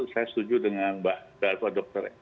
saya setuju dengan mbak dokter